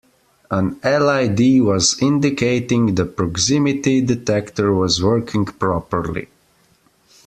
An LED was indicating the proximity detector was working properly.